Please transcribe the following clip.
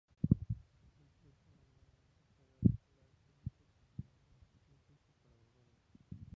Ofrece, de forma desinteresada, la experiencia profesional de sus socios y colaboradores.